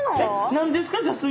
何ですか？